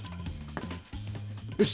よし！